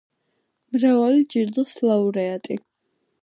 მრავალი ჯილდოს ლაურეატი.